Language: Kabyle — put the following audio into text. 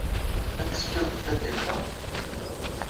Ad tettekkid deg tedyant-a?